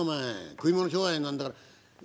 食い物商売なんだから。